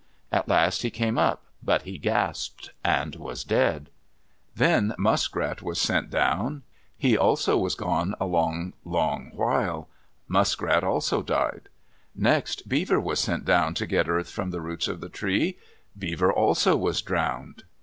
At last he came up, but he gasped and was dead. Then Muskrat was sent down. He also was gone a long, long while. Muskrat also died. Next Beaver was sent down to get earth from the roots of the tree. Beaver also was drowned.